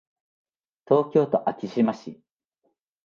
東京都昭島市